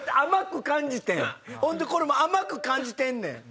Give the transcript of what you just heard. ほんでこれも甘く感じてんねん！